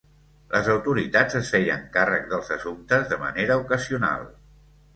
Les autoritats es feien càrrec dels assumptes de manera ocasional.